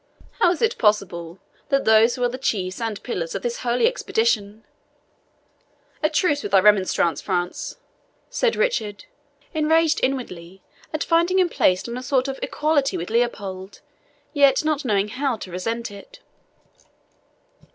How is it possible that those who are the chiefs and pillars of this holy expedition " "A truce with thy remonstrance, France," said Richard, enraged inwardly at finding himself placed on a sort of equality with Leopold, yet not knowing how to resent it.